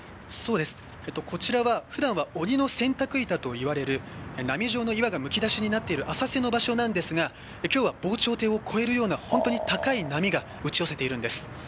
こちらは普段は鬼の洗濯岩といわれる波状の岩がむき出しになっている浅瀬の場所なんですが今日は防潮堤を越えるような高い波が打ち寄せているんです。